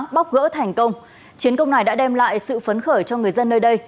bóc gỡ thành công chiến công này đã đem lại sự phấn khởi cho người dân nơi đây